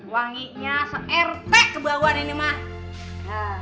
wanginya se rt kebawahan ini mah